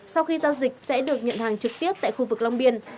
sau khi giao dịch sẽ được nhận hàng trực tiếp tại khu vực long biên